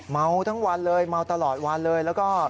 เมาทั้งวันเลยเมาตลอดวันเลยแล้วก็